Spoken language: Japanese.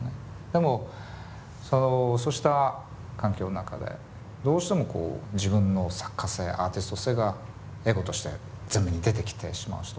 でもそうした環境の中でどうしてもこう自分の作家性アーティスト性がエゴとして前面に出てきてしまう人